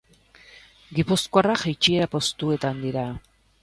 Gipuzkoarrak jaitsiera postuetan dira.